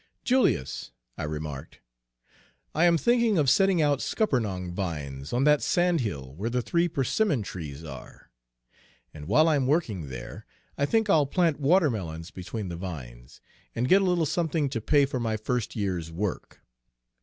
"Julius," I remarked, "I am thinking of setting out scuppernong vines on that sand hill where the three persimmon trees are; and while I'm working there, I think I'll plant watermelons between the vines, and get a little something to pay for my first year's work.